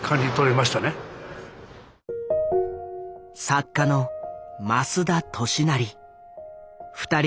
作家の増田俊也。